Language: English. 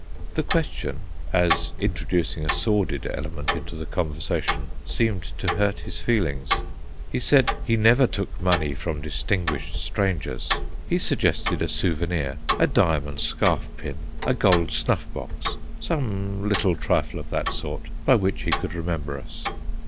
The question, as introducing a sordid element into the conversation, seemed to hurt his feelings. He said he never took money from distinguished strangers; he suggested a souvenir a diamond scarf pin, a gold snuffbox, some little trifle of that sort by which he could remember us.